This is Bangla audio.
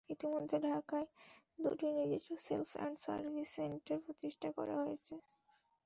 ইতিমধ্যে ঢাকায় দুটি নিজস্ব সেলস অ্যান্ড সার্ভিস সেন্টার প্রতিষ্ঠা করা হয়েছে।